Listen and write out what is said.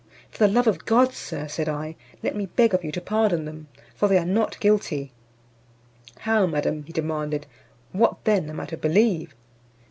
"For the love of God, Sir," said I, "let me beg of you to pardon them, for they are not guilty." "How, madam," he demanded, "what then am I to believe?